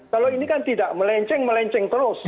kalau ini kan tidak melenceng melenceng terus